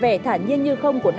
vẻ thả nhiên như không của nam sinh